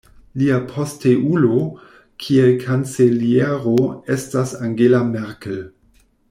Lia posteulo kiel kanceliero estas Angela Merkel.